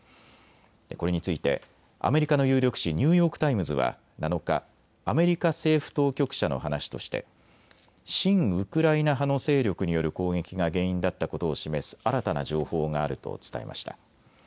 これについてアメリカの有力紙、ニューヨーク・タイムズは７日、アメリカ政府当局者の話として親ウクライナ派の勢力による攻撃が原因だったことを示す新たな情報があると伝えました。